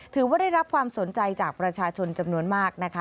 ถือว่าได้รับความสนใจจากประชาชนจำนวนมากนะคะ